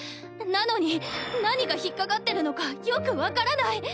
なのに何が引っ掛かってるのかよく分からない。